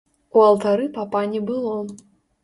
У алтары папа не было.